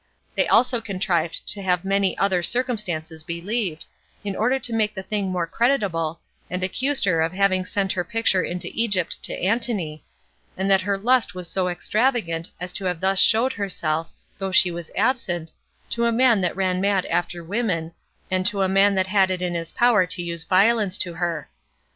They also contrived to have many other circumstances believed, in order to make the thing more credible, and accused her of having sent her picture into Egypt to Antony, and that her lust was so extravagant, as to have thus showed herself, though she was absent, to a man that ran mad after women, and to a man that had it in his power to use violence to her.